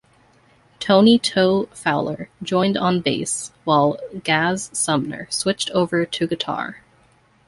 Tony "Toe" Fowler joined on bass, while Gaz Sumner switched over to guitar.